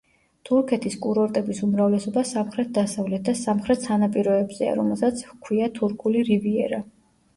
თურქეთის კურორტების უმრავლესობა სამხრეთ-დასავლეთ და სამხრეთ სანაპიროებზეა, რომელსაც ჰქვია თურქული რივიერა.